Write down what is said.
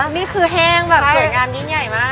นี่คือแห้งแบบสวยงามยิ่งใหญ่มาก